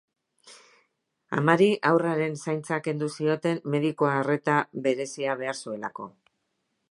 Amari haurraren zaintza kendu zioten mediku arreta berezia behar zuelako.